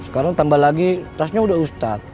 sekarang tambah lagi tasnya udah ustadz